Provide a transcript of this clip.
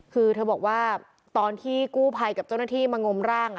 คือเธอบอกว่าตอนที่กู้ภัยกับเจ้าหน้าที่มางมร่าง